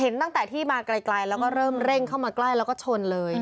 แล้วก็เริ่มเร่งเข้ามาใกล้แล้วก็ชนเลย